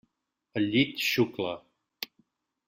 El llit xucla.